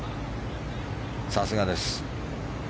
さすがです。